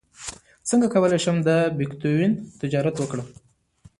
څنګه کولی شم د بیتکوین تجارت وکړم